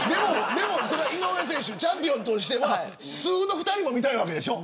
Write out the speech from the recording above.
でもチャンピオンとしては素の二人も見たいわけでしょ。